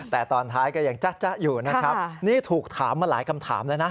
แต่ตอนท้ายก็ยังจ๊ะอยู่นะครับนี่ถูกถามมาหลายคำถามแล้วนะ